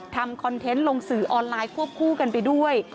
คอนเทนต์ลงสื่อออนไลน์ควบคู่กันไปด้วย